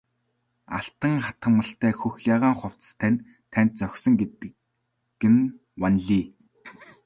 Алтан хатгамалтай хөх ягаан хувцас тань танд зохисон гэдэг нь ванлий!